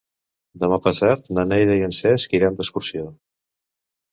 Demà passat na Neida i en Cesc iran d'excursió.